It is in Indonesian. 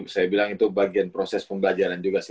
saya bilang itu bagian proses pembelajaran juga sih